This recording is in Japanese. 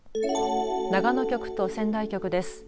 長野局と仙台局です。